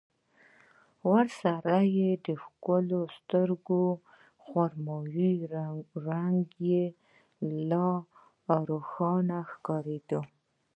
ورسره د ښکلو سترګو خرمايي رنګ يې لا روښانه ښکارېده.